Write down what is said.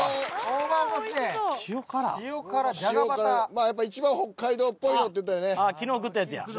まあやっぱいちばん北海道っぽいのっていったらね。